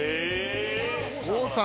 郷さん